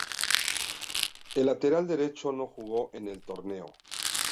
El lateral derecho no jugó en el torneo.